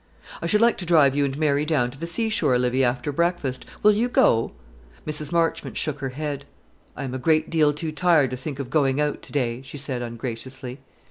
"I should like to drive you and Mary down to the seashore, Livy, after breakfast. Will you go?" Mrs. Marchmont shook her head. "I am a great deal too tired to think of going out to day," she said ungraciously.